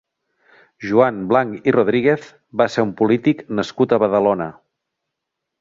Joan Blanch i Rodríguez va ser un polític nascut a Badalona.